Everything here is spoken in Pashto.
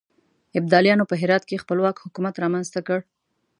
ابدالیانو په هرات کې خپلواک حکومت رامنځته کړ.